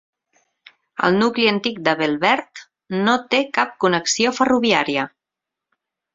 El nucli antic de Velbert no té cap connexió ferroviària.